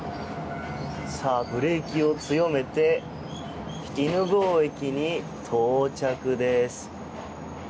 さあ、ブレーキを強めて犬吠駅に到着です。